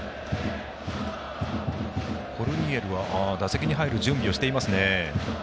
コルニエルは打席に入る準備をしていますね。